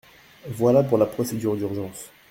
Voilà pour la procédure d’urgence.